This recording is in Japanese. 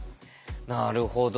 なるほど。